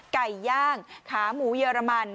ไก่ย่างขาหมูเยอรมัน